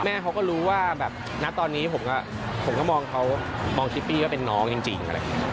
แม่เขาก็รู้ว่าณตอนนี้ผมก็มองเขามองชิปปี้ว่าเป็นน้องจริง